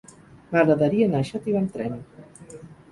M'agradaria anar a Xàtiva amb tren.